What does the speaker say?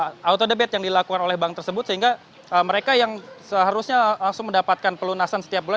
jadi ini adalah auto debat yang dilakukan oleh bank tersebut sehingga mereka yang seharusnya langsung mendapatkan pelunasan setiap bulan